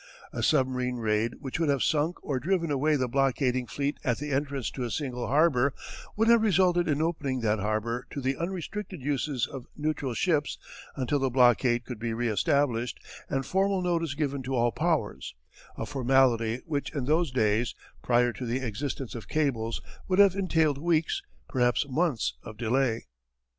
A submarine raid which would have sunk or driven away the blockading fleet at the entrance to a single harbour would have resulted in opening that harbour to the unrestricted uses of neutral ships until the blockade could be re established and formal notice given to all powers a formality which in those days, prior to the existence of cables, would have entailed weeks, perhaps months, of delay.